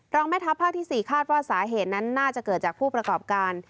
แม่ทัพภาคที่๔คาดว่าสาเหตุนั้นน่าจะเกิดจากผู้ประกอบการ